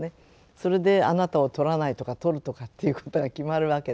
それで「あなたを採らない」とか「採る」とかということが決まるわけで。